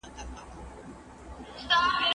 دا کتاب پراخه مقدمه لري.